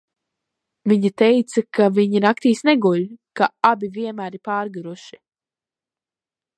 Viņa teica, ka viņi naktīs neguļ, ka abi vienmēr ir pārguruši.